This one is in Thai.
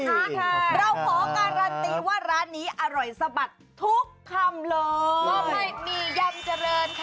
ค่ะเราขอการันตีว่าร้านนี้อร่อยสะบัดทุกคำเลยมอบให้มียำเจริญค่ะ